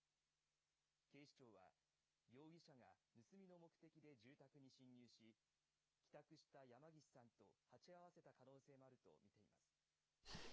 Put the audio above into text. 警視庁は、容疑者が盗みの目的で住宅に侵入し、帰宅した山岸さんと鉢合わせた可能性もあると見ています。